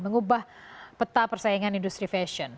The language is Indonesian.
mengubah peta persaingan industri fashion